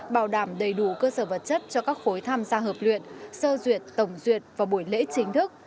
bảo đảm đầy đủ cơ sở vật chất cho các khối tham gia hợp luyện sơ duyệt tổng duyệt và buổi lễ chính thức